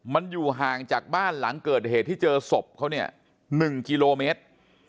มันอยู่ห่างจากบ้านหลังเกิดเหตุที่เจอศพเขาเนี่ย๑กิโลเมตร